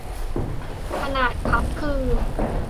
ขนาดคัพคือ